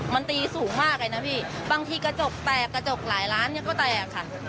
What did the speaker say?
มันตีสูงมากเลยนะพี่บางทีกระจกแตกกระจกหลายร้านเนี่ยก็แตกค่ะ